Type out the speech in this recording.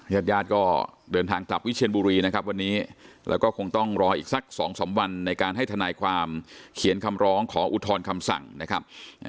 ญาติญาติก็เดินทางกลับวิเชียนบุรีนะครับวันนี้แล้วก็คงต้องรออีกสักสองสามวันในการให้ทนายความเขียนคำร้องขออุทธรณ์คำสั่งนะครับ